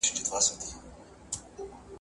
که ولي نه يم، خالي هم نه يم.